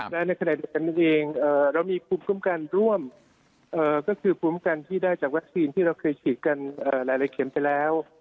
และในขณะเดียวกันเองเรามีภูมิคุ้มกันร่วมก็คือคุ้มกันที่ได้จากวัคซีนที่เราเคยฉีดกันหลายเข็มไปแล้ว